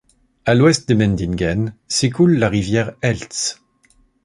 À l'ouest d'Emmendingen s'écoule la rivière Elz.